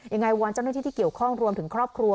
ยังไงวัลเจ้าหน้าที่เกี่ยวข้องรวมถึงครอบครัว